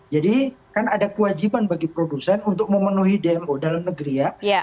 jadi kan ada kewajiban bagi produsen untuk memenuhi dmo dalam negeri ya